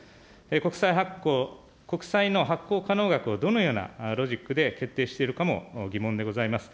国債発行、国債の発行可能額をどのようなロジックで決定しているかも疑問でございます。